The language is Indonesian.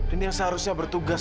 ini yang seharusnya bertugas